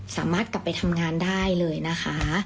สามารถกลับไปทำงานได้เลยนะคะ